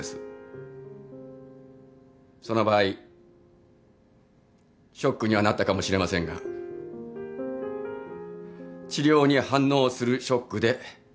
その場合ショックにはなったかもしれませんが治療に反応するショックで済んだはずです。